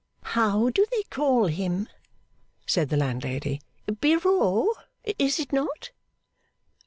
'How do they call him?' said the landlady. 'Biraud, is it not?